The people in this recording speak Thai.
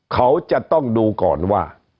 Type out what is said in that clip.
เขาจะต้องดูก่อนว่า